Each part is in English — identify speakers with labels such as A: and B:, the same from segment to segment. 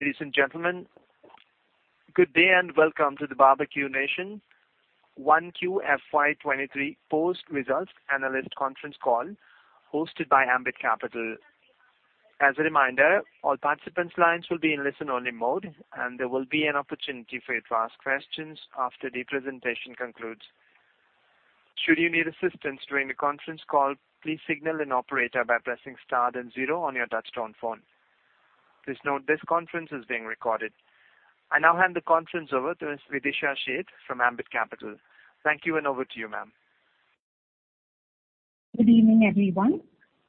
A: Ladies and gentlemen, good day and welcome to the Barbeque Nation 1Q FY 2023 post results analyst conference call hosted by Ambit Capital. As a reminder, all participants' lines will be in listen-only mode, and there will be an opportunity for you to ask questions after the presentation concludes. Should you need assistance during the conference call, please signal an operator by pressing star then zero on your touchtone phone. Please note this conference is being recorded. I now hand the conference over to Ms. Videesha Sheth from Ambit Capital. Thank you, and over to you, ma'am.
B: Good evening, everyone.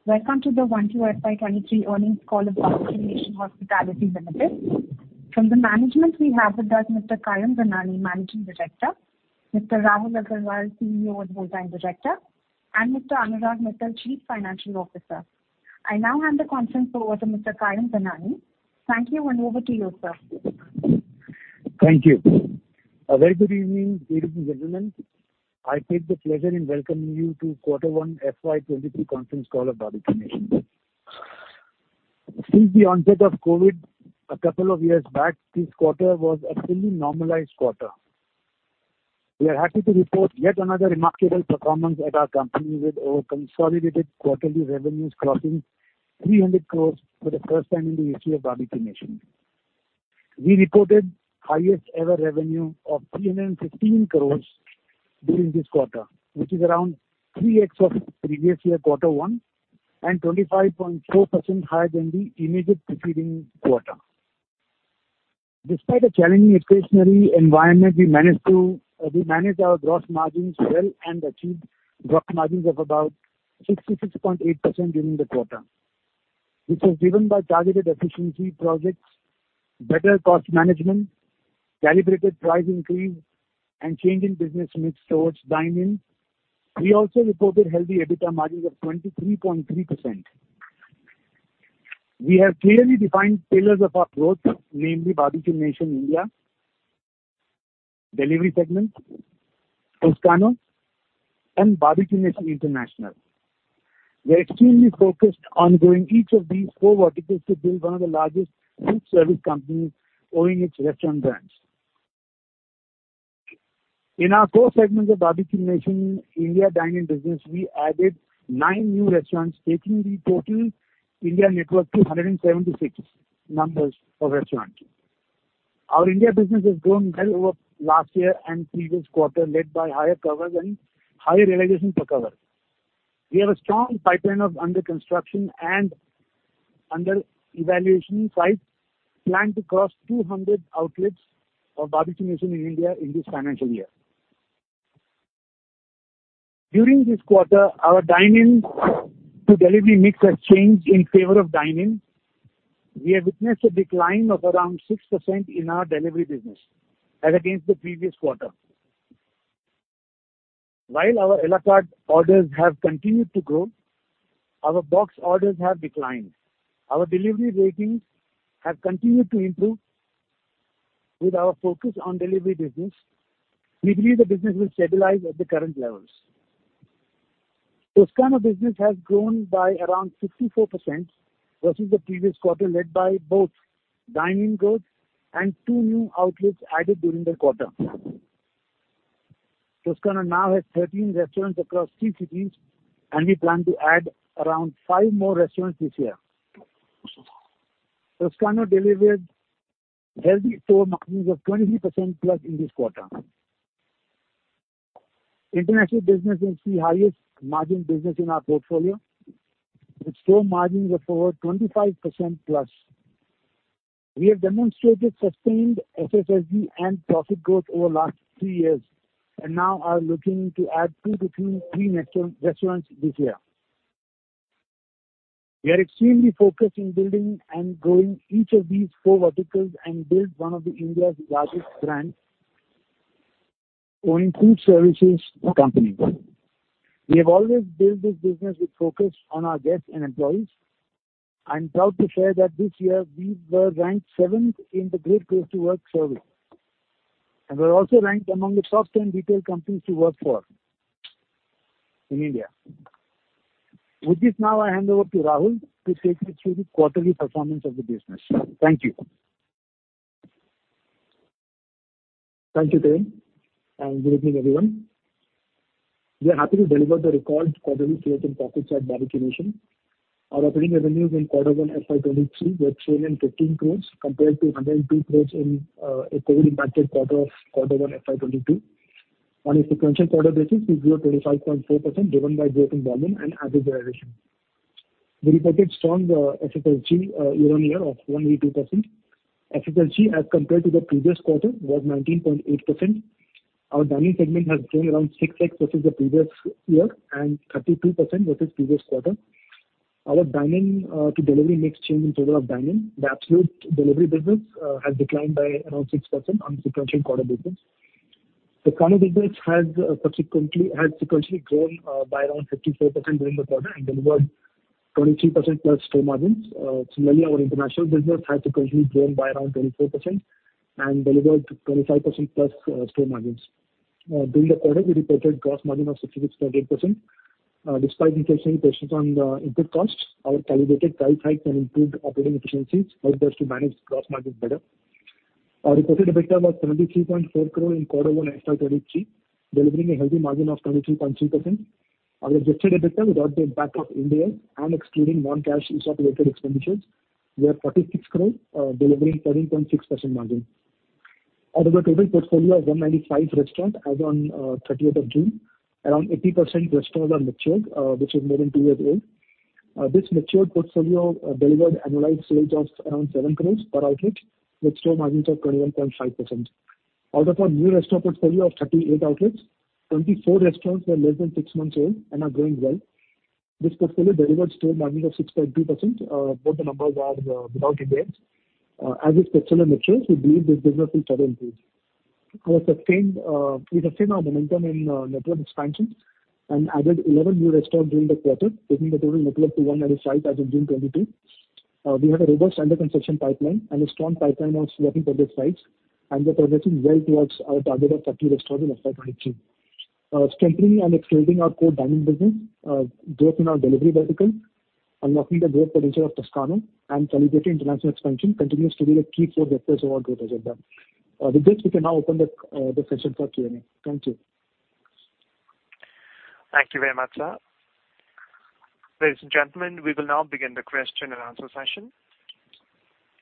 B: Welcome to the 1Q FY 2023 earnings call of Barbeque-Nation Hospitality Limited. From the management, we have with us Mr. Kayum Dhanani, Managing Director, Mr. Rahul Agrawal, CEO and Whole Time Director, and Mr. Anurag Mittal, Chief Financial Officer. I now hand the conference over to Mr. Kayum Dhanani. Thank you, and over to you, sir.
C: Thank you. A very good evening, ladies and gentlemen. I take the pleasure in welcoming you to Q1 FY 2023 conference call of Barbeque Nation. Since the onset of COVID a couple of years back, this quarter was a fully normalized quarter. We are happy to report yet another remarkable performance at our company with our consolidated quarterly revenues crossing 300 crore for the first time in the history of Barbeque Nation. We reported highest ever revenue of 315 crore during this quarter, which is around 3x of previous year Q1 and 25.4% higher than the immediate preceding quarter. Despite a challenging inflationary environment, we managed to. We managed our gross margins well and achieved gross margins of about 66.8% during the quarter, which was driven by targeted efficiency projects, better cost management, calibrated price increase, and change in business mix towards dine-in. We also reported healthy EBITDA margins of 23.3%. We have clearly defined pillars of our growth, namely Barbeque Nation India, delivery segment, Toscano, and Barbeque Nation International. We are extremely focused on growing each of these 4 verticals to build one of the largest food service companies owning its restaurant brands. In our core segment of Barbeque Nation India dine-in business, we added 9 new restaurants, taking the total India network to 176 numbers of restaurants. Our India business has grown well over last year and previous quarter, led by higher covers and higher realization per cover. We have a strong pipeline of under construction and under evaluation sites planned to cross 200 outlets of Barbeque Nation in India in this financial year. During this quarter, our dine-in to delivery mix has changed in favor of dine-in. We have witnessed a decline of around 6% in our delivery business as against the previous quarter. While our a la carte orders have continued to grow, our box orders have declined. Our delivery ratings have continued to improve with our focus on delivery business. We believe the business will stabilize at the current levels. Toscano business has grown by around 54% versus the previous quarter, led by both dine-in growth and two new outlets added during the quarter. Toscano now has 13 restaurants across three cities, and we plan to add around five more restaurants this year. Toscano delivered healthy store margins of 23%+ in this quarter. International business is the highest margin business in our portfolio, with store margins of over 25%+. We have demonstrated sustained SSSG and profit growth over last three years and now are looking to add two to three net restaurants this year. We are extremely focused in building and growing each of these four verticals and build one of the India's largest brands owning food services company. We have always built this business with focus on our guests and employees. I am proud to share that this year we were ranked seventh in the Great Place to Work survey, and we are also ranked among the top 10 retail companies to work for in India. With this, now I hand over to Rahul to take you through the quarterly performance of the business. Thank you.
D: Thank you, Kayum, and good evening, everyone. We are happy to deliver the record quarterly sales and profits at Barbeque Nation. Our operating revenues in quarter one FY 2023 were 315 crore compared to 102 crore in a COVID-impacted quarter of quarter one FY 2022. On a sequential quarter basis, we grew 25.4% driven by growth in volume and average realization. We reported strong SSSG year-on-year of 182%. SSSG as compared to the previous quarter was 19.8%. Our dine-in segment has grown around 6x versus the previous year and 32% versus previous quarter. Our dine-in to delivery mix changed in favor of dine-in. The absolute delivery business has declined by around 6% on sequential quarter basis. Toscano business has sequentially grown by around 54% during the quarter and delivered 23%+ store margins. Similarly, our international business has sequentially grown by around 24% and delivered 25%+ store margins. During the quarter, we reported gross margin of 66.8%. Despite inflationary pressures on the input costs, our calibrated price hikes and improved operating efficiencies helped us to manage gross margins better. Our reported EBITDA was 23.4 crore in Q1 FY 2023, delivering a healthy margin of 23.3%. Our adjusted EBITDA without the impact of India and excluding non-cash ESOP-related expenditures were INR 46 crore, delivering 13.6% margin. Out of our total portfolio of 195 restaurants as on thirtieth of June, around 80% restaurants are matured, which is more than two years old. This matured portfolio delivered annualized sales of around 7 crore per outlet with store margins of 21.5%. Out of our new restaurant portfolio of 38 outlets, 24 restaurants were less than 6 months old and are growing well. This portfolio delivered store margins of 6.2%. Both the numbers are without India. As this portfolio matures, we believe this business will further improve. We sustained our momentum in network expansion and added 11 new restaurants during the quarter, taking the total network to 195 as of June 2022. We have a robust under construction pipeline and a strong pipeline of selected project sites, and we're progressing well towards our target of 30 restaurants in FY23. Strengthening and executing our core dining business, growth in our delivery vertical, unlocking the growth potential of Toscano, and calibrated international expansion continues to be the key four vectors of our growth agenda. With this, we can now open the session for Q&A. Thank you.
A: Thank you very much, sir. Ladies and gentlemen, we will now begin the question and answer session.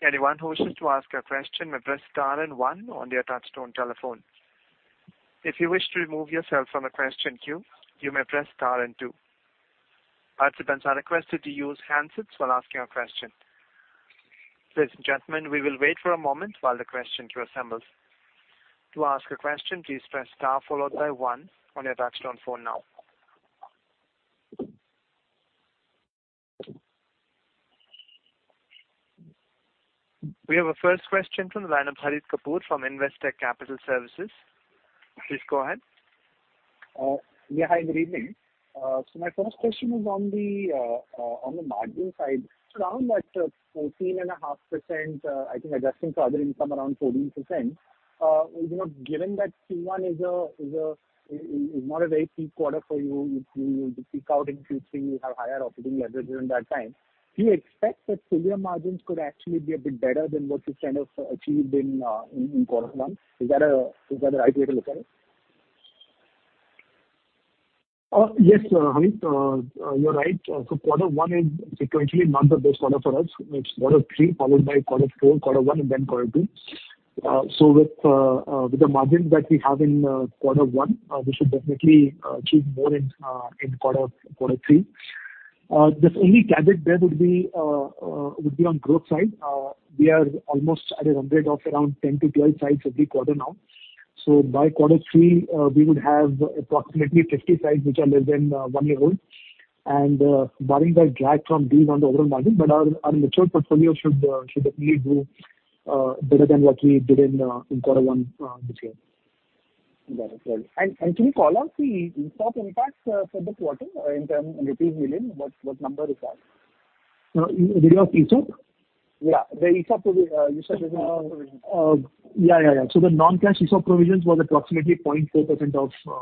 A: Anyone who wishes to ask a question may press star and one on their touchtone telephone. If you wish to remove yourself from the question queue, you may press star and two. Participants are requested to use handsets while asking a question. Ladies and gentlemen, we will wait for a moment while the question queue assembles. To ask a question, please press star followed by one on your touchtone phone now. We have our first question from Harit Kapoor from Investec Capital Services. Please go ahead.
E: Yeah. Hi, good evening. So my first question is on the margin side. Around that 14.5%, I think adjusting for other income around 14%, you know, given that Q1 is not a very peak quarter for you will peak out in Q3, you have higher operating leverage during that time. Do you expect that similar margins could actually be a bit better than what you kind of achieved in quarter one? Is that the right way to look at it?
D: Yes, Harit, you're right. Quarter one is sequentially not the best quarter for us. It's quarter three followed by quarter four, quarter one, and then quarter two. With the margins that we have in quarter one, we should definitely achieve more in quarter three. The only caveat there would be on growth side. We are almost at a run rate of around 10-12 sites every quarter now. By quarter three, we would have approximately 50 sites which are less than one year old. Barring that drag from these on the overall margin, but our mature portfolio should definitely do better than what we did in quarter one this year.
E: Got it. Can you call out the ESOP impacts for this quarter in rupees million, what number is that?
D: Vidisha, ESOP?
E: Yeah, the ESOP provisions.
D: Yeah. The non-cash ESOP provisions was approximately 0.4%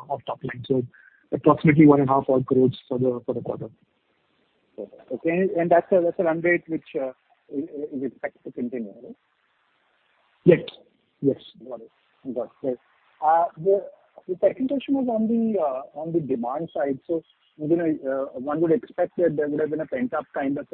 D: of top line. Approximately 1.5-odd crore for the quarter.
E: Okay. That's a run rate which is expected to continue, right?
D: Yes.
E: Got it. Great. The second question was on the demand side. You know, one would expect that there would have been a pent-up kind of,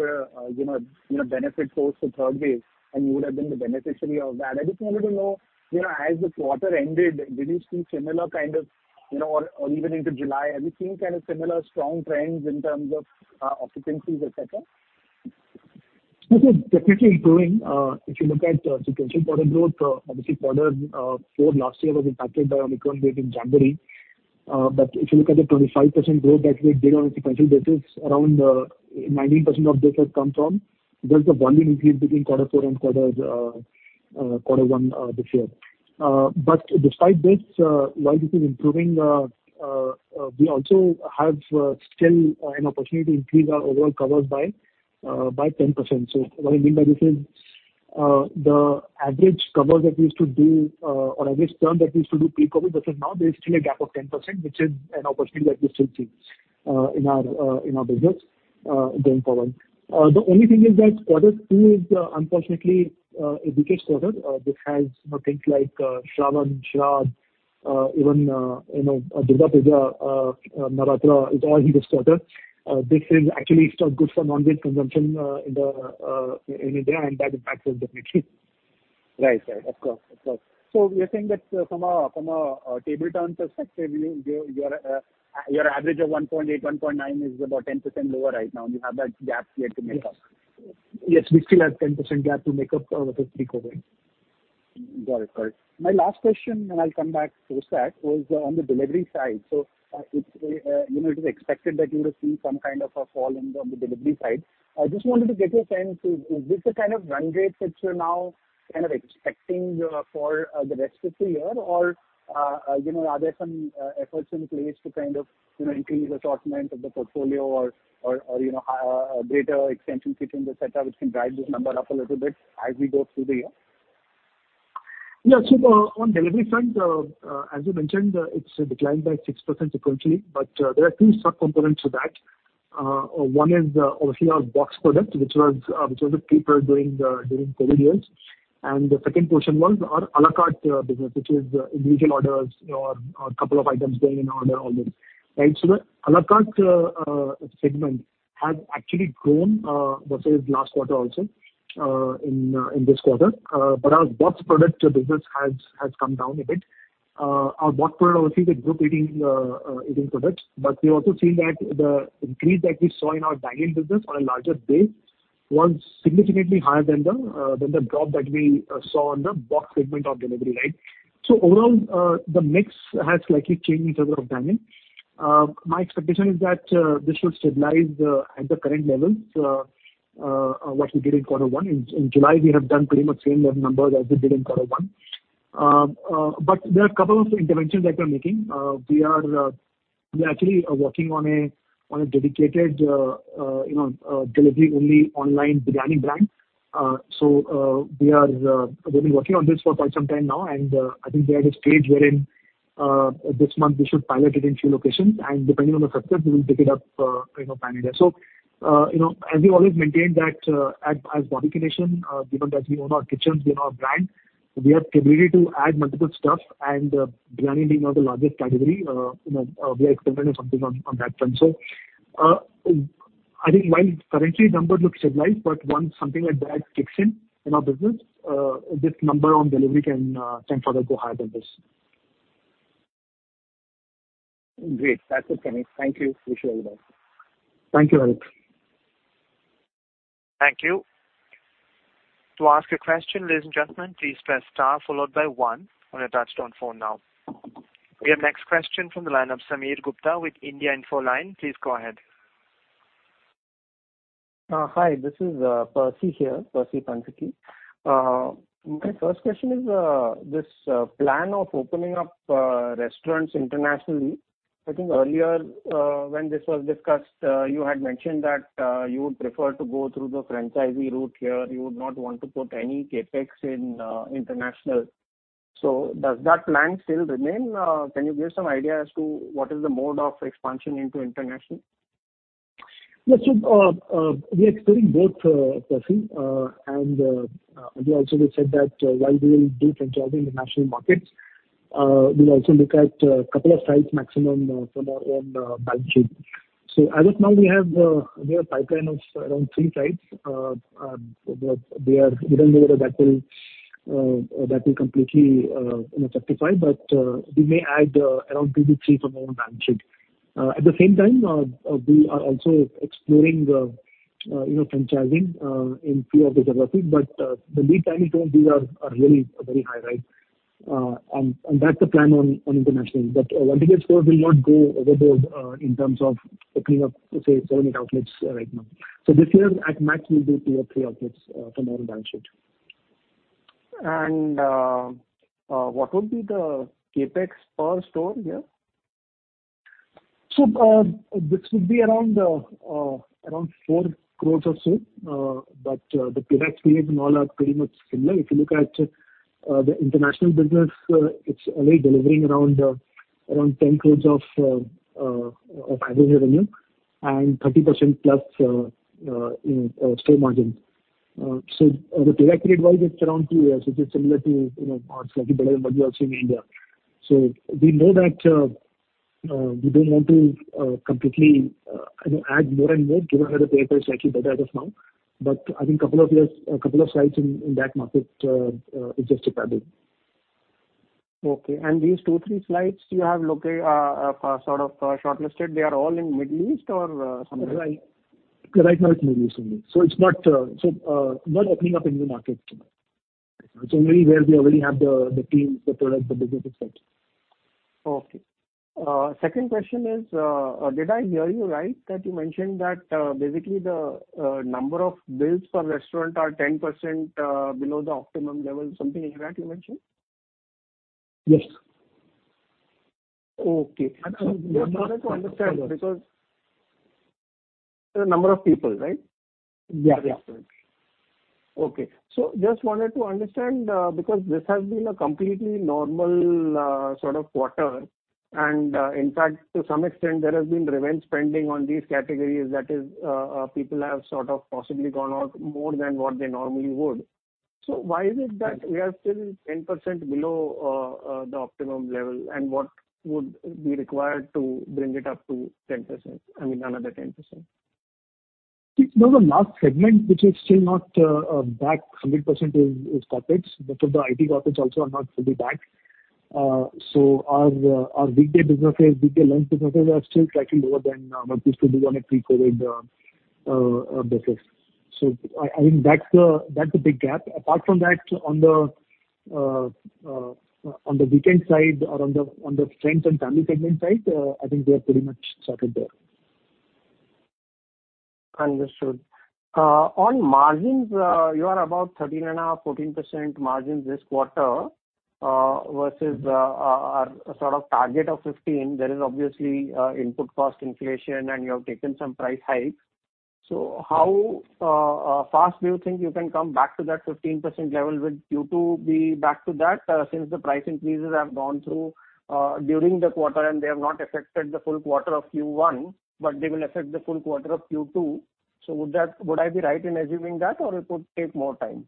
E: you know, benefit post the third wave, and you would have been the beneficiary of that. I just wanted to know, you know, as the quarter ended, did you see similar kind of, you know, or even into July, have you seen kind of similar strong trends in terms of occupancies, et cetera?
D: It is definitely improving. If you look at sequential quarter growth, obviously quarter four last year was impacted by Omicron wave in January. If you look at the 25% growth that we did on a sequential basis, around 19% of this has come from just the volume increase between quarter four and quarter one this year. Despite this, we also have still an opportunity to increase our overall covers by 10%. What I mean by this is, the average cover that we used to do, or average turn that we used to do pre-COVID versus now, there is still a gap of 10%, which is an opportunity that we still see, in our, in our business, going forward. The only thing is that quarter two is, unfortunately, a weaker quarter, which has, you know, things like, Shravan, Shraadh, even, you know, Durga Puja, Navratri is all in this quarter. This is actually still good for non-veg consumption, in India, and that impacts us definitely.
E: Right. Right. Of course. Of course. You're saying that from a table turns perspective, your average of 1.8, 1.9 is about 10% lower right now, and you have that gap yet to make up.
D: Yes. Yes, we still have 10% gap to make up with the pre-COVID.
E: Got it. My last question, and I'll come back post that, was on the delivery side. It's you know, it is expected that you would see some kind of a fall on the delivery side. I just wanted to get a sense, is this the kind of run rate that you're now kind of expecting for the rest of the year? you know, are there some efforts in place to kind of, you know, increase assortment of the portfolio or greater extension kitchens, et cetera, which can drive this number up a little bit as we go through the year?
D: Yeah. On delivery front, as you mentioned, it's declined by 6% sequentially, but there are two sub-components to that. One is obviously our box product, which was a keeper during COVID years. And the second portion was our a la carte business, which is individual orders or a couple of items going in order, all this, right? The a la carte segment has actually grown versus last quarter also in this quarter. Our box product business has come down a bit. Our box product obviously is a group eating product. We also feel that the increase that we saw in our dine-in business on a larger base was significantly higher than the drop that we saw on the box segment of delivery, right? Overall, the mix has slightly changed in favor of dining. My expectation is that this should stabilize at the current levels what we did in quarter one. In July, we have done pretty much same level numbers as we did in quarter one. There are a couple of interventions that we are making. We are actually working on a dedicated you know delivery-only online biryani brand. We've been working on this for quite some time now, and I think we are at a stage wherein this month we should pilot it in few locations, and depending on the success, we will pick it up, you know, pan-India. You know, as we always maintain that, as Barbeque Nation, given that we own our kitchens, we own our brand, we have the ability to add multiple stuff and, biryani being one of the largest category, you know, we are experimenting something on that front. I think while currently number looks stabilized, but once something like that kicks in in our business, this number on delivery can further go higher than this.
E: Great. That's it for me. Thank you. Wish you all the best.
D: Thank you, Harit.
A: Thank you. To ask a question, ladies and gentlemen, please press star followed by one on your touch-tone phone now. We have next question from the line of Sameer Gupta with India Infoline. Please go ahead.
F: Hi. This is Percy here. Percy Panthaki. My first question is this plan of opening up restaurants internationally. I think earlier, when this was discussed, you had mentioned that you would prefer to go through the franchisee route here. You would not want to put any CapEx in international. Does that plan still remain? Can you give some idea as to what is the mode of expansion into international?
D: We are exploring both, Percy, and we also said that while we will do franchising in the national markets, we'll also look at a couple of sites maximum from our own balance sheet. As of now we have a pipeline of around three sites. It's not given whether that will completely, you know, justify. We may add around 2-3 from our own balance sheet. At the same time, we are also exploring, you know, franchising in few of the geographies. The lead time for these are really very high, right? That's the plan on international. One thing is sure we'll not go overboard in terms of opening up, say, 70 outlets right now. This year at max we'll do two or three outlets from our balance sheet.
F: What would be the CapEx per store here?
D: This would be around 4 crore or so. The payback period and all are pretty much similar. If you look at the international business, it's already delivering around 10 crore of annual revenue and 30%+, you know, store margin. The payback period wise, it's around two years, which is similar to, you know, or slightly better than what we are seeing in India. We know that we don't want to completely, you know, add more and more given how the payback is slightly better as of now. I think couple of sites in that market is justifiable.
F: Okay. These two, three sites you have sort of shortlisted, they are all in Middle East or somewhere else?
D: Right. Right now it's Middle East only. It's not opening up a new market. It's only where we already have the teams, the product, the business, et cetera.
F: Okay. Second question is, did I hear you right, that you mentioned that, basically the number of bills per restaurant are 10% below the optimum level, something like that you mentioned?
D: Yes.
F: Okay. Just wanted to understand. The number of people, right?
D: Yeah. Yeah.
F: Okay. Just wanted to understand, because this has been a completely normal sort of quarter, and in fact to some extent there has been revenge spending on these categories. That is, people have sort of possibly gone out more than what they normally would. Why is it that we are still 10% below the optimum level, and what would be required to bring it up to 10%? I mean, another 10%.
D: It's more the last segment which is still not back 100% to pre-COVID. Most of the IT corporates also are not fully back. Our weekday businesses, weekday lunch businesses are still slightly lower than what we used to do on a pre-COVID basis. I think that's the big gap. Apart from that, on the weekend side or on the friends and family segment side, I think we are pretty much sorted there.
F: Understood. On margins, you are about 13.5%-14% margins this quarter, versus a sort of target of 15%. There is obviously input cost inflation and you have taken some price hikes. How fast do you think you can come back to that 15% level? Will Q2 be back to that, since the price increases have gone through during the quarter, and they have not affected the full quarter of Q1, but they will affect the full quarter of Q2? Would I be right in assuming that, or it would take more time?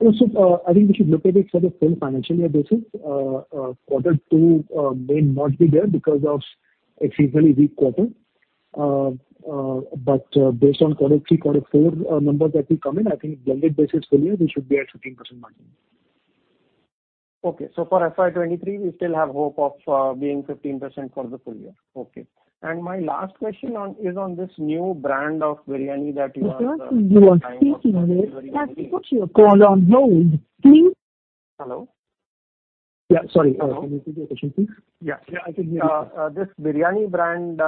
D: I think we should look at it for the full financial year basis. Quarter two may not be there because of exceptionally weak quarter. Based on quarter three, quarter four numbers that will come in, I think blended basis full year we should be at 15% margin.
F: Okay. For FY 2023, we still have hope of being 15% for the full year. Okay. My last question is on this new brand of biryani that you are trying
A: The person you are speaking with has put you on hold. Please
F: Hello?
D: Yeah. Sorry. Can you repeat the question, please?
F: Yeah. Yeah, I can hear you, sir. This biryani brand,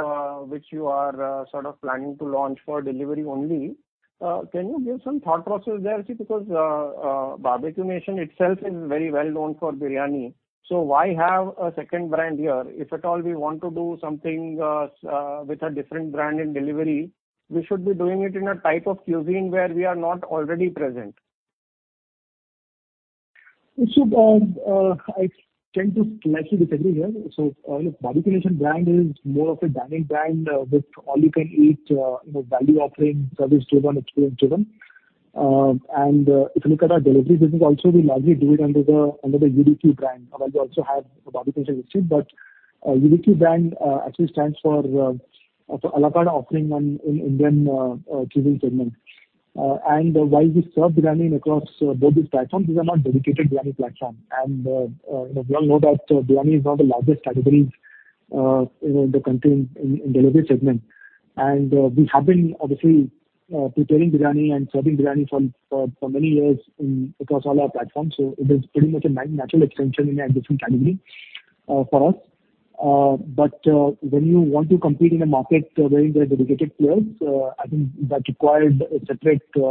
F: which you are sort of planning to launch for delivery only, can you give some thought process there? See, because Barbeque Nation itself is very well known for biryani, so why have a second brand here? If at all we want to do something with a different brand in delivery, we should be doing it in a type of cuisine where we are not already present.
D: I tend to slightly disagree here. Look, Barbeque Nation brand is more of a dining brand with all-you-can-eat, you know, value offering, service driven, experience driven. If you look at our delivery business also, we largely do it under the UBQ brand. Although we also have Barbeque Nation, but UBQ brand actually stands for à la carte offering in Indian cuisine segment. While we serve biryani across both these platforms, these are not dedicated biryani platform. You know, we all know that biryani is one of the largest categories, you know, in the country In delivery segment. We have been obviously preparing biryani and serving biryani for many years across all our platforms, so it is pretty much a natural extension in a different category for us. But when you want to compete in a market where there are dedicated players, I think that requires a separate you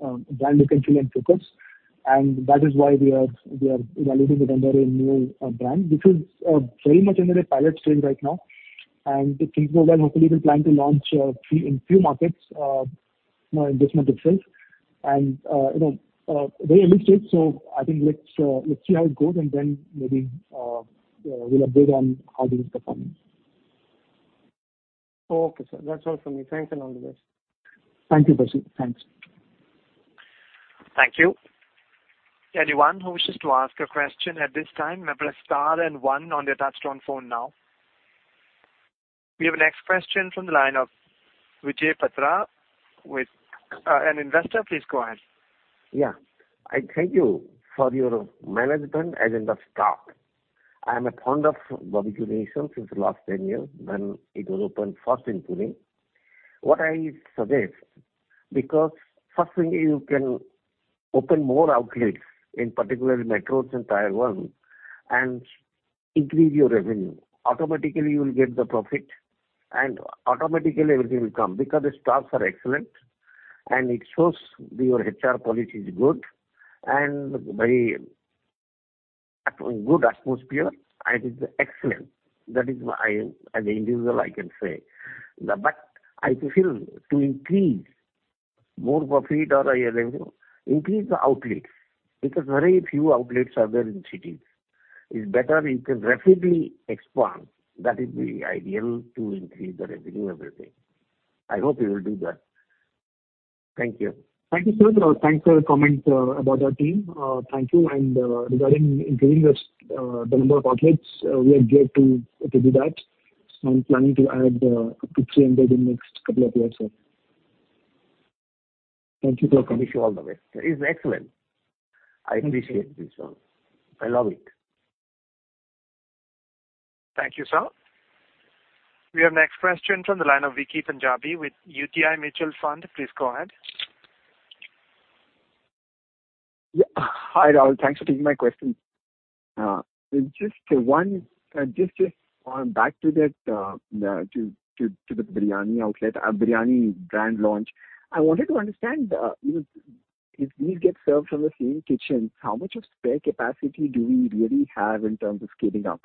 D: know brand look and feel and focus, and that is why we are evaluating it under a new brand, which is very much under a pilot stage right now. If things go well, hopefully we plan to launch few in few markets you know in this month itself. You know very early stage, so I think let's see how it goes, and then maybe you know we'll update on how this performs.
F: Okay, sir. That's all from me. Thanks and all the best.
D: Thank you, Percy. Thanks.
A: Thank you. Anyone who wishes to ask a question at this time may press star and one on their touch-tone phone now. We have our next question from the line of Vijay Patra with an investor. Please go ahead.
G: Yeah. I thank you for your management as in the staff. I am fond of Barbeque Nation since last 10 years when it was opened first in Pune. What I suggest, because first thing you can open more outlets, in particular in metros and Tier 1, and increase your revenue. Automatically you will get the profit, and automatically everything will come because the staffs are excellent, and it shows your HR policy is good and very good atmosphere. It is excellent. That is why I, as an individual I can say. I feel to increase more profit or your revenue, increase the outlets because very few outlets are there in cities. It's better you can rapidly expand. That is the ideal to increase the revenue, everything. I hope you will do that. Thank you.
D: Thank you, sir. Thanks for your comments about our team. Thank you. Regarding increasing the number of outlets, we are geared to do that. I'm planning to add up to 300 in next couple of years, sir. Thank you for calling. Wish you all the best.
G: It's excellent. I appreciate this all. I love it.
A: Thank you, sir. We have next question from the line of Vicky Punjabi with UTI Mutual Fund. Please go ahead.
H: Yeah. Hi, Rahul. Thanks for taking my question. Just one, just back to that, to the biryani outlet, biryani brand launch. I wanted to understand, you know, if these get served from the same kitchen, how much of spare capacity do we really have in terms of scaling up?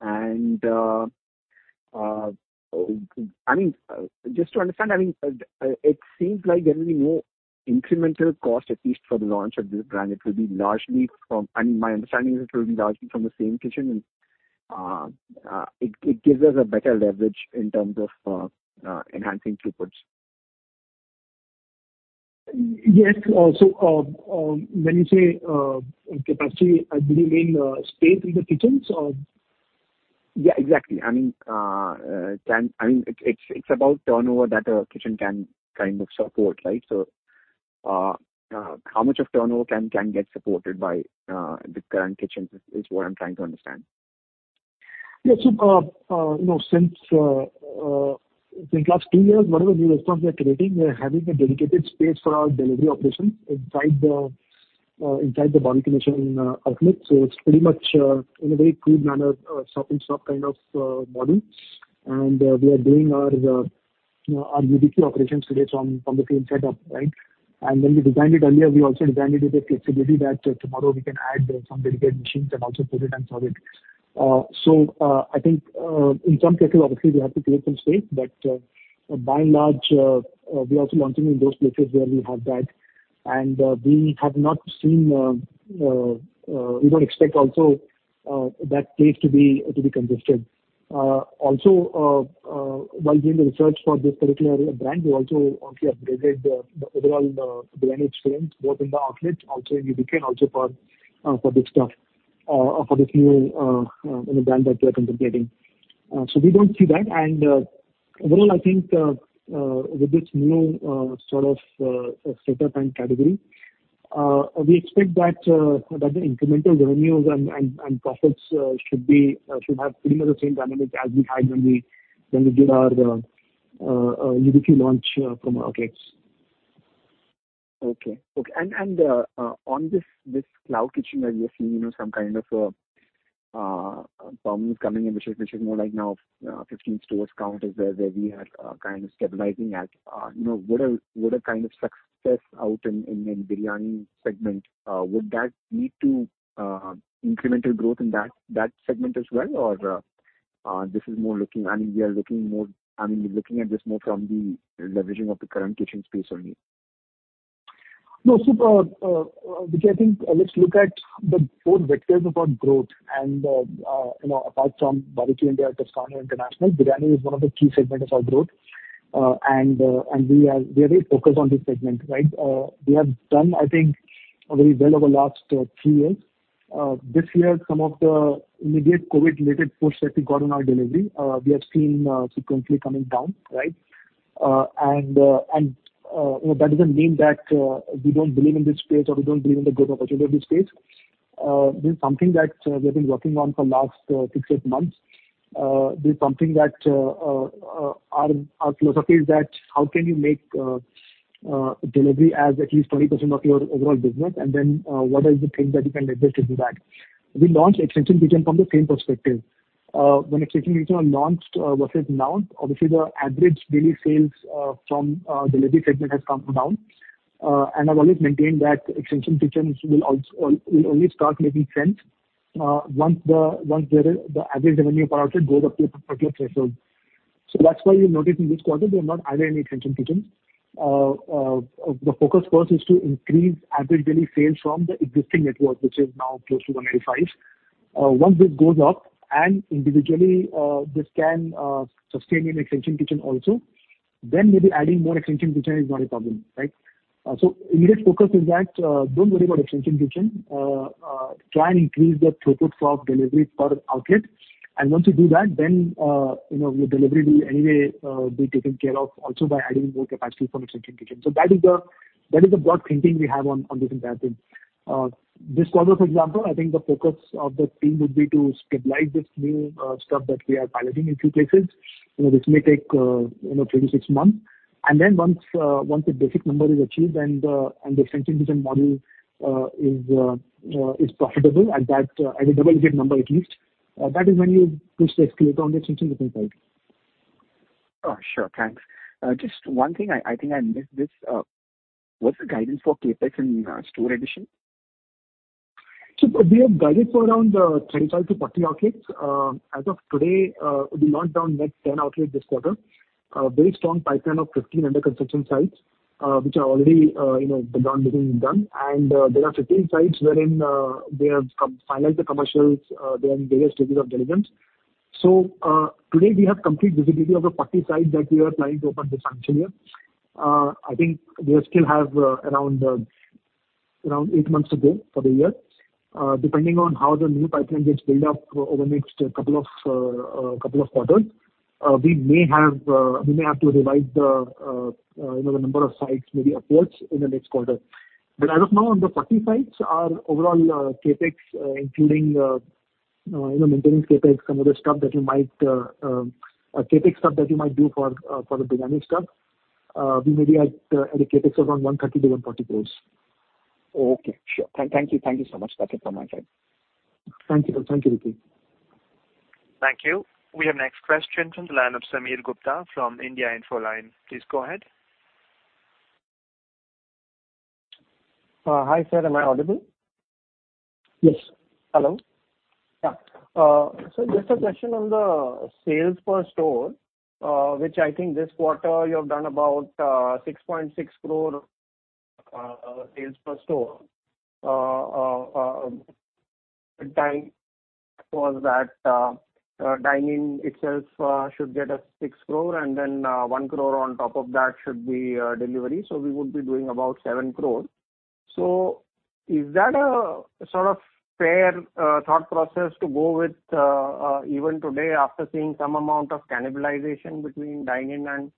H: I mean, it seems like there will be no incremental cost, at least for the launch of this brand. I mean, my understanding is it will be largely from the same kitchen and it gives us a better leverage in terms of enhancing throughput.
D: Yes. When you say capacity, do you mean space in the kitchens or?
H: Yeah, exactly. I mean, it's about turnover that a kitchen can kind of support, right? How much of turnover can get supported by the current kitchens is what I'm trying to understand.
D: you know, since I think last two years, whatever new restaurants we are creating, we are having a dedicated space for our delivery operations inside the Barbeque Nation outlet. It's pretty much in a very crude manner shop-in-shop kind of model. We are doing our you know our UBQ operations today from the same setup, right? When we designed it earlier, we also designed it with the flexibility that tomorrow we can add some dedicated machines and also put it and serve it. I think in some cases, obviously, we have to create some space. By and large, we are also launching in those places where we have that, and we have not seen. We don't expect also that space to be congested. While doing the research for this particular brand, we also upgraded the overall brand experience both in the outlet, also in UBQ, and also for this new, you know, brand that we are contemplating. We don't see that. Overall, I think with this new sort of setup and category, we expect that the incremental revenues and profits should have pretty much the same dynamic as we had when we did our UBQ launch from outlets.
H: Okay. On this cloud kitchen that you're seeing, you know, some kind of problems coming in which is more like now 15 stores count is where we are kind of stabilizing at. You know, would a kind of success out in biryani segment would that lead to incremental growth in that segment as well? Or, I mean, we're looking at this more from the leveraging of the current kitchen space only.
D: No, which I think, let's look at the four vectors of our growth. You know, apart from Barbeque Nation and Toscano, biryani is one of the key segment of our growth. You know, that doesn't mean that we don't believe in this space or we don't believe in the growth opportunity of this space. This is something that we have been working on for last 6-8 months. This is something that, our philosophy is that how can you make delivery as at least 20% of your overall business, and then, what are the things that you can leverage to do that. We launched extension kitchen from the same perspective. When extension kitchen was launched versus now, obviously the average daily sales from delivery segment has come down. I've always maintained that extension kitchens will only start making sense, once there is the average revenue per outlet goes up to a particular threshold. That's why you'll notice in this quarter, we have not added any extension kitchens. The focus first is to increase average daily sales from the existing network, which is now close to 185. Once this goes up and individually, this can sustain an extension kitchen also, then maybe adding more extension kitchen is not a problem, right? Immediate focus is that, don't worry about extension kitchen. Try and increase the throughput of delivery per outlet. Once you do that, then, you know, your delivery will anyway be taken care of also by adding more capacity from extension kitchen. That is the broad thinking we have on this entire thing. This quarter, for example, I think the focus of the team would be to stabilize this new stuff that we are piloting in few places. You know, this may take 3-6 months. Once the basic number is achieved and the extension kitchen model is profitable at that, at a double unit number at least, that is when you push the scale on the extension kitchen side.
H: Oh, sure. Thanks. Just one thing I think I missed this. What's the guidance for CapEx and store addition?
D: We have guided for around 35-40 outlets. As of today, we launched our net 10 outlets this quarter. A very strong pipeline of 15 under construction sites, which are already the ground digging is done. There are 15 sites wherein they have finalized the commercials, they are in various stages of diligence. Today we have complete visibility of the 40 sites that we are planning to open this financial year. I think we still have around eight months to go for the year. Depending on how the new pipeline gets built up over next couple of quarters, we may have to revise the number of sites maybe upwards in the next quarter. As of now, on the 40 sites, our overall CapEx, including, you know, maintaining CapEx, some other stuff, CapEx stuff that you might do for the biryani stuff, we may be at a CapEx of around 130-140.
H: Okay, sure. Thank you. Thank you so much. That's it from my side.
D: Thank you. Thank you, Vicky.
A: Thank you. We have next question from the line of Sameer Gupta from India Infoline. Please go ahead.
I: Hi, sir. Am I audible?
D: Yes.
I: Hello? Yeah. Just a question on the sales per store, which I think this quarter you have done about 6.6 crore sales per store. Time was that dine-in itself should get us 6 crore and then 1 crore on top of that should be delivery. We would be doing about 7 crore. Is that a sort of fair thought process to go with even today after seeing some amount of cannibalization between dine-in and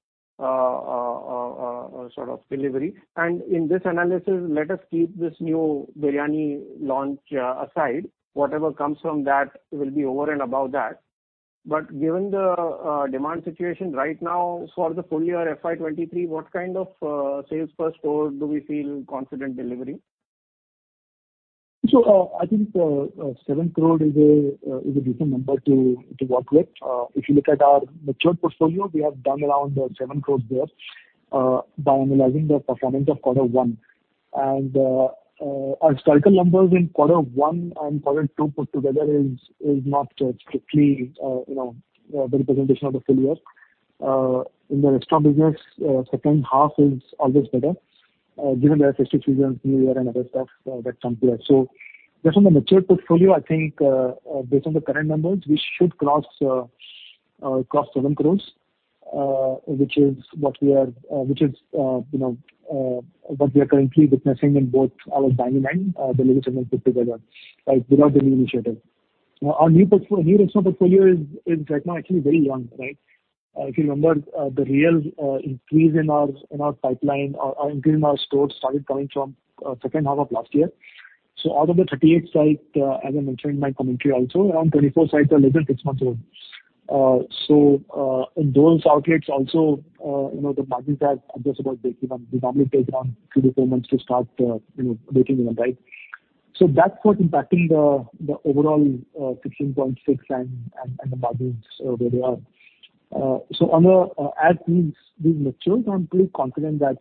I: sort of delivery? In this analysis, let us keep this new biryani launch aside. Whatever comes from that will be over and above that. Given the demand situation right now for the full year FY 2023, what kind of sales per store do we feel confident delivering?
D: I think 7 crore is a decent number to work with. If you look at our mature portfolio, we have done around 7 crore there by analyzing the performance of quarter one. Our historical numbers in quarter one and quarter two put together is not strictly you know the representation of the full year. In the restaurant business, second half is always better given there are festive seasons, New Year and other stuff that come to us. Just on the mature portfolio, I think based on the current numbers, we should cross 7, which is you know what we are currently witnessing in both our dining and delivery channel put together, right? Without any initiative. Now, our new restaurant portfolio is right now actually very young, right? If you remember, the real increase in our pipeline or increase in our stores started coming from second half of last year. Out of the 38 sites, as I mentioned in my commentary also, around 24 sites are less than six months old. In those outlets also, you know, the margins are just about breaking even. It normally takes around 2-4 months to start, you know, breaking even, right? That's what's impacting the overall 16.6% and the margins where they are. As these mature, I'm pretty confident that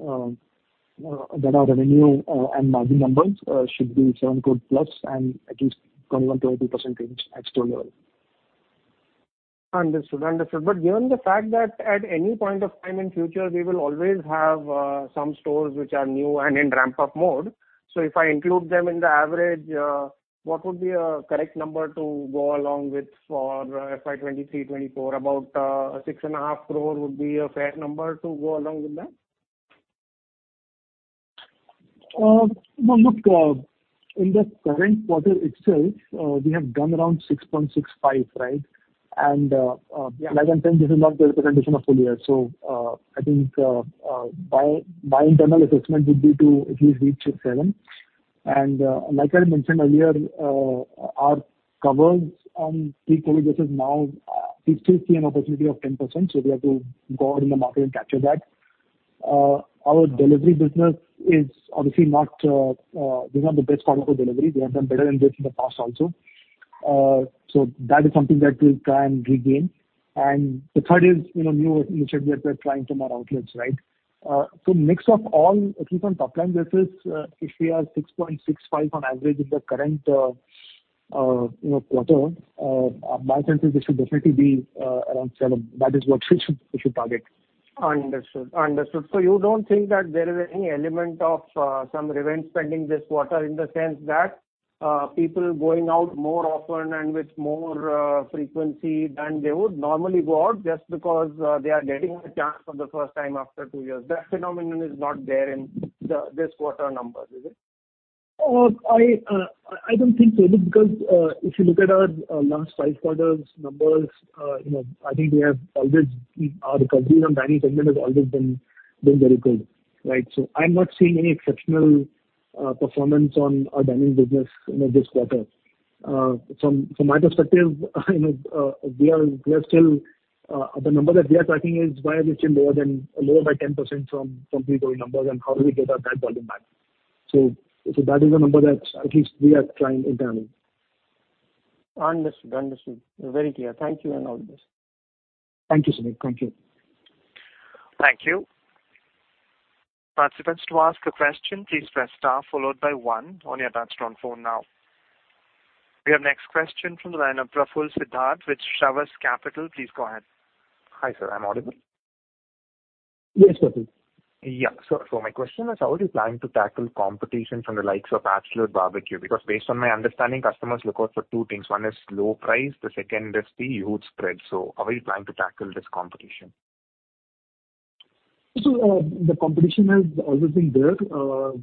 D: our revenue and margin numbers should be 7+ and at least 21%-22% at store level.
I: Understood. Given the fact that at any point of time in future we will always have some stores which are new and in ramp-up mode, so if I include them in the average, what would be a correct number to go along with for FY 2023-FY 2024? About 6.5 would be a fair number to go along with that?
D: No, look, in the current quarter itself, we have done around 6.65%, right? Like I said, this is not the representation of full year. I think my internal assessment would be to at least reach 7%. Like I mentioned earlier, our covers on pre-COVID basis now, we still see an opportunity of 10%, so we have to go out in the market and capture that. Our delivery business is obviously not these are the best quarter for delivery. We have done better than this in the past also. That is something that we'll try and regain. The third is, you know, new initiatives we are trying from our outlets, right? Mix of all, at least on top line basis, if we are 6.65% on average in the current quarter, you know, my sense is we should definitely be around 7%. That is what we should target.
I: Understood. You don't think that there is any element of some revenge spending this quarter in the sense that people going out more often and with more frequency than they would normally go out just because they are getting a chance for the first time after two years. That phenomenon is not there in this quarter numbers, is it?
D: I don't think so, just because if you look at our last five quarters numbers, you know, our recovery on dining segment has always been very good, right? I'm not seeing any exceptional performance on our dining business, you know, this quarter. From my perspective, you know, the number that we are tracking is why we are still lower by 10% from pre-COVID numbers and how do we get back to that volume. That is the number that's at least we are tracking internally.
I: Understood. Very clear. Thank you on all this.
D: Thank you, Sameer. Thank you.
A: Thank you. Participants, to ask a question, please press star followed by one on your touch-tone phone now. We have next question from the line of Praful Siddharth with Shravas Capital. Please go ahead.
J: Hi, sir. I'm audible?
D: Yes, Praful.
J: My question is how are you planning to tackle competition from the likes of Batchelor's Pad BBQ? Because based on my understanding, customers look out for two things. One is low price, the second is the huge spread. How are you planning to tackle this competition?
D: The competition has always been there. You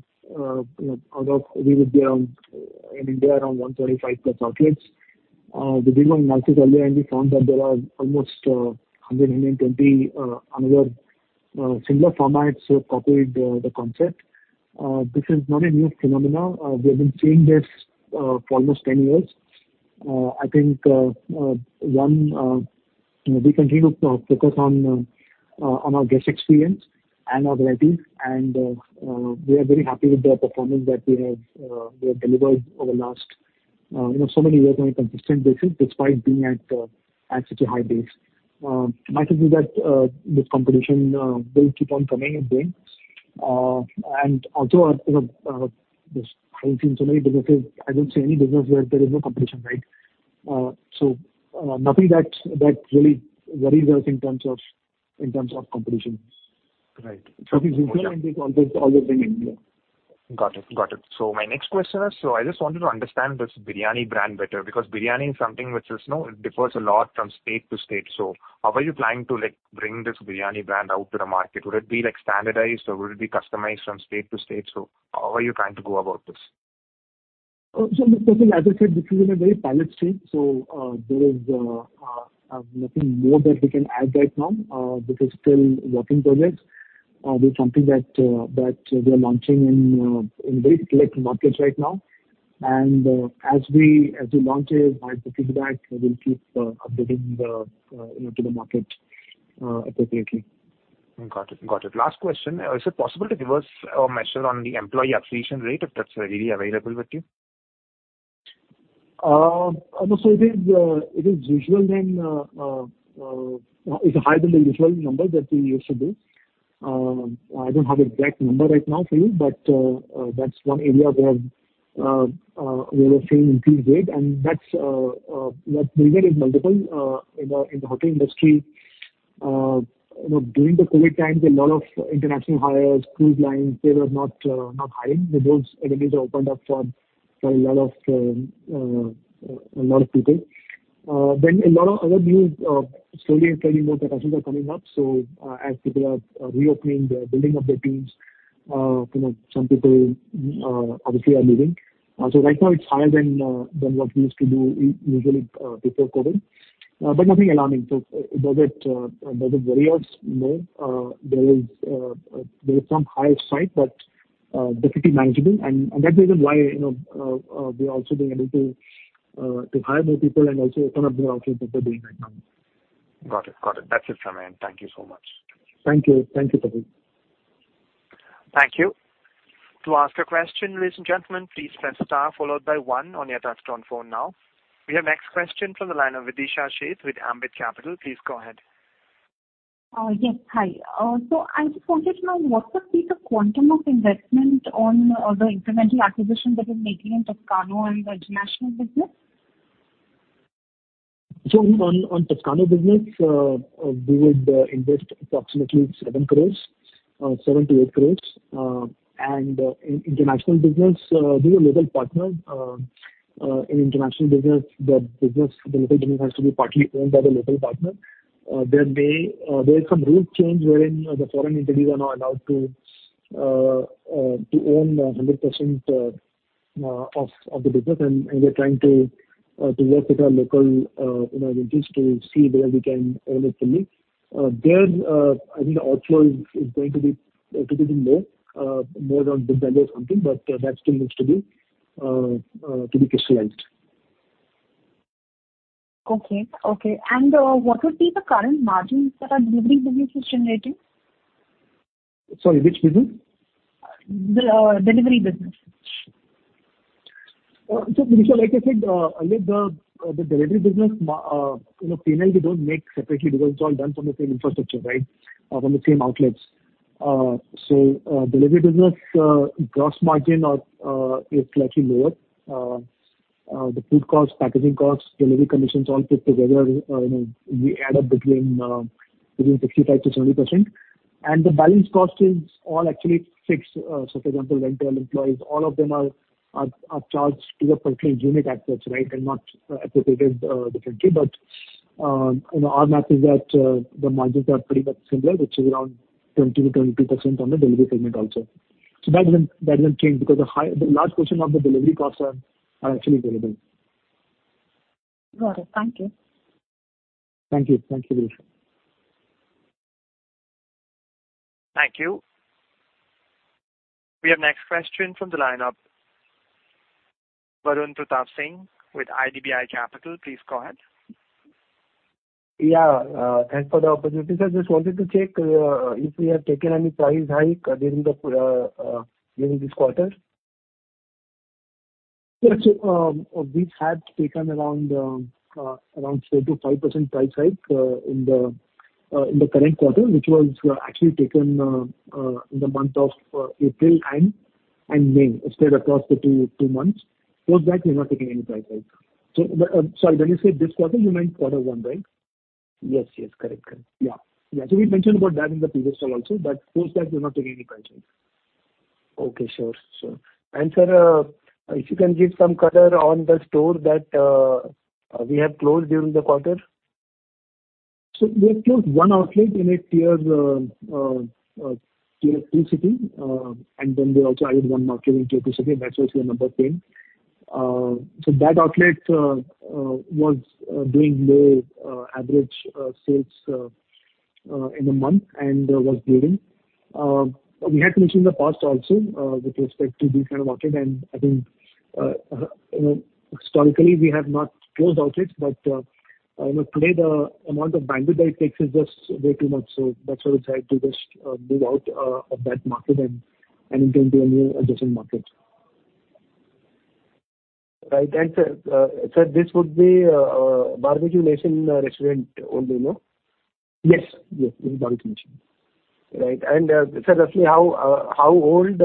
D: know, we would be around, in India, around 135+ outlets. We did one analysis earlier and we found that there are almost 120 another similar formats who have copied the concept. This is not a new phenomenon. We have been seeing this for almost 10 years. I think you know, we continue to focus on our guest experience and our variety and we are very happy with the performance that we have delivered over last you know, so many years on a consistent basis despite being at such a high base. My sense is that this competition will keep on coming and going. Also, you know, just having seen so many businesses, I don't see any business where there is no competition, right? Nothing that really worries us in terms of competition.
J: Right.
D: Because it's here and it's always been here.
J: Got it. My next question is, I just wanted to understand this biryani brand better, because biryani is something which is, you know, it differs a lot from state to state. How are you planning to, like, bring this biryani brand out to the market? Would it be like standardized or would it be customized from state to state? How are you trying to go about this?
D: As I said, this is in a very pilot state. There is nothing more that we can add right now. This is still work in progress. This is something that we are launching in very select markets right now. As we launch it, as we get feedback, we'll keep updating the you know to the market appropriately.
J: Got it. Last question. Is it possible to give us a measure on the employee attrition rate, if that's really available with you?
D: It is unusual. It's higher than the usual number that we used to do. I don't have an exact number right now for you, but that's one area where we are seeing increased rate. The reasons are multiple. In the hotel industry, you know, during the COVID times, a lot of international airlines, cruise lines were not hiring. Those entities opened up for a lot of people. Slowly and steadily more hotels are coming up, so as they are reopening, they're building up their teams, you know, some people obviously are leaving. Right now it's higher than what we used to do usually before COVID. Nothing alarming. Does it worry us? No. There is some high side, but definitely manageable. That's the reason why, you know, we are also being able to hire more people and also open up new outlets that we're doing right now.
J: Got it. That's it from me. Thank you so much.
D: Thank you. Thank you, Praful.
A: Thank you. To ask a question, ladies and gentlemen, please press star followed by one on your touchtone phone now. We have next question from the line of Videesha Sheth with Ambit Capital. Please go ahead.
B: Yes. Hi. I just wanted to know what could be the quantum of investment on the incremental acquisition that you're making in Toscano and the international business?
D: On Toscano business, we would invest approximately 7- 8. In international business, we have a local partner. In international business, the local business has to be partly owned by the local partner. There's some rule change wherein the foreign entities are now allowed to own 100% of the business, and we're trying to work with our local, you know, entities to see whether we can own it fully. I think the outflow is going to be a little bit more on the value of something, but that still needs to be crystallized.
B: Okay. What would be the current margins that our delivery business is generating?
D: Sorry, which business?
B: The delivery business.
D: Vidisha, like I said, like the delivery business, you know, P&L, we don't make separately because it's all done from the same infrastructure, right? From the same outlets. Delivery business gross margin is slightly lower. The food costs, packaging costs, delivery commissions all put together, you know, we add up between 65%-70%. The balance cost is all actually fixed. For example, rental, employees, all of them are charged to a per unit approach, right? Not allocated differently. You know, our math is that the margins are pretty much similar, which is around 20%-22% on the delivery segment also. That doesn't change. The large portion of the delivery costs are actually variable.
B: Got it. Thank you.
D: Thank you. Thank you, Videesha.
A: Thank you. We have next question from the line of Varun Pratap Singh with IDBI Capital. Please go ahead.
K: Yeah. Thanks for the opportunity, sir. Just wanted to check if we have taken any price hike during this quarter?
D: Yeah. We have taken around 4%-5% price hike in the current quarter, which was actually taken in the month of April and May. It's spread across the two months. Post that we've not taken any price hike. Sorry, when you say this quarter, you meant quarter one, right?
K: Yes. Correct.
D: Yeah. We mentioned about that in the previous call also, but post that we've not taken any price hike.
K: Okay. Sure. Sir, if you can give some color on the store that we have closed during the quarter.
D: We have closed one outlet in a tier two city, and then we also added one market in tier-two city. That's also a number 10. That outlet was doing low average sales in a month and was bleeding. We had mentioned in the past also with respect to these kind of market, and I think you know, historically, we have not closed outlets. You know, today the amount of bandwidth that it takes is just way too much, that's why we decided to just move out of that market and into a new adjacent market.
K: Right. Thanks, sir. Sir, this would be Barbeque Nation restaurant only, no?
D: Yes. Yes. It's Barbeque Nation.
K: Right. Sir, roughly how old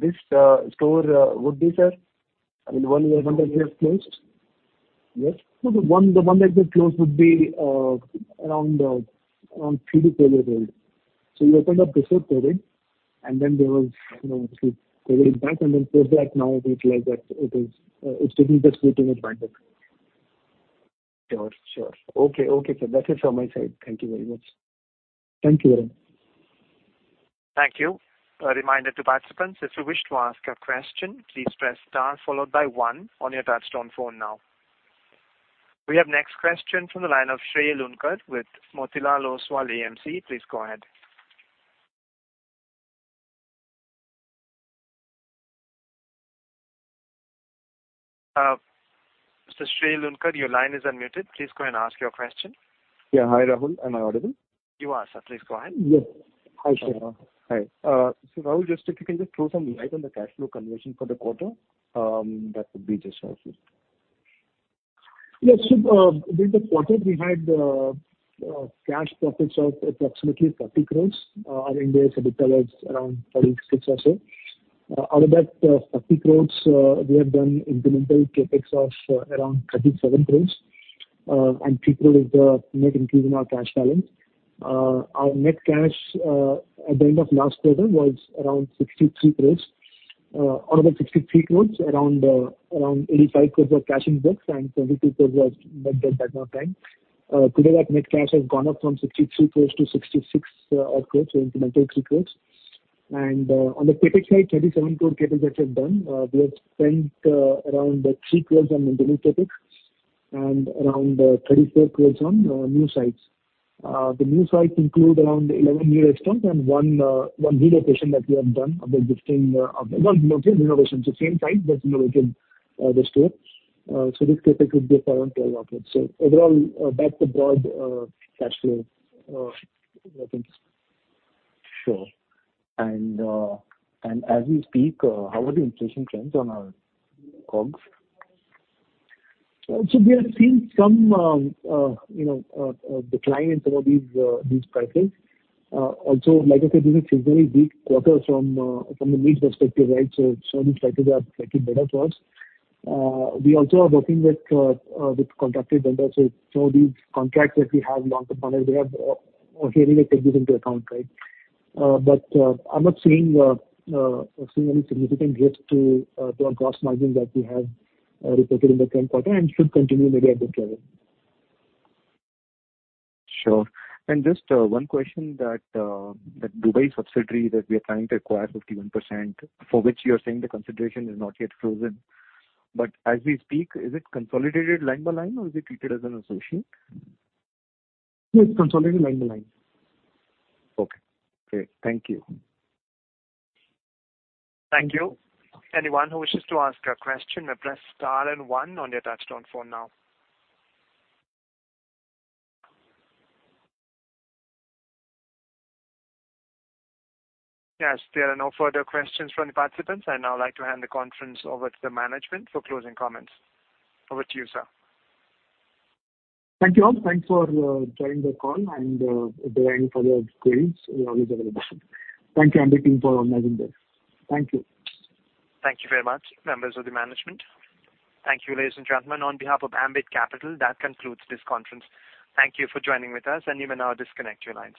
K: this store would be, sir? I mean, one year, one that we have closed.
D: Yes. No, the one that we have closed would be around pre-COVID world. We opened up before COVID, and then there was, you know, COVID spike, and then post that now we feel like that it is, it's really just eating its bandwidth.
K: Sure. Okay, sir. That's it from my side. Thank you very much.
D: Thank you, Varun.
A: Thank you. A reminder to participants, if you wish to ask a question, please press star followed by one on your touchtone phone now. We have next question from the line of Shrey Lunkad with Motilal Oswal AMC. Please go ahead. Mr. Shrey Lunkad, your line is unmuted. Please go and ask your question.
L: Yeah. Hi, Rahul. Am I audible?
A: You are, sir. Please go ahead.
D: Yes. Hi, Videesha.
L: Hi. Rahul, just if you can just throw some light on the cash flow conversion for the quarter, that would be just nice, please.
D: During the quarter we had cash profits of approximately 30. I mean, there is a detail around 36 or so. Out of that 30, we have done incremental CapEx of around 37. 3 is the net increase in our cash balance. Our net cash at the end of last quarter was around 63. Out of that 63, around 85 were cash in books and 73 was net debt at that time. Today that net cash has gone up from 63 to 66-odd, so incremental 3. On the CapEx side, 37 CapEx that we've done, we have spent around 3 on incremental CapEx and around 34 on new sites. The new sites include around 11 lease terms and one renovation that we have done of the existing same site, but relocated the store. This CapEx would be around INR 12. Overall, that's the broad cash flow, I think.
L: Sure. As we speak, how are the inflation trends on our COGS?
D: We are seeing some, you know, decline in some of these these prices. Also, like I said, this is a very weak quarter from the meat perspective, right? These prices are slightly better to us. We also are working with contracted vendors, so some of these contracts that we have long term on it, they have, we're really taking this into account, right? I'm not seeing any significant risk to our gross margin that we have reported in the current quarter and should continue maybe at this level.
L: Sure. Just one question that Dubai subsidiary we are trying to acquire 51%, for which you are saying the consideration is not yet frozen. As we speak, is it consolidated line by line or is it treated as an associate?
D: Yes, consolidated line by line.
L: Okay. Great. Thank you.
A: Thank you. Anyone who wishes to ask a question may press star and one on your touch-tone phone now. As there are no further questions from the participants, I'd now like to hand the conference over to the management for closing comments. Over to you, sir.
D: Thank you all. Thanks for joining the call and answering your queries. We're always available. Thank you, Ambit team, for organizing this. Thank you.
A: Thank you very much, members of the management. Thank you, ladies and gentlemen. On behalf of Ambit Capital, that concludes this conference. Thank you for joining with us, and you may now disconnect your lines.